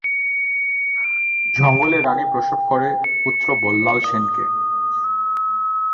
জঙ্গলে রানী প্রসব করে পুত্র বল্লাল সেন কে।